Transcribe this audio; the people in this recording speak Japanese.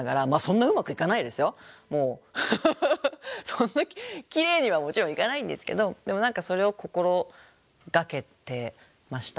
そんなきれいにはもちろんいかないんですけどでも何かそれを心がけてました。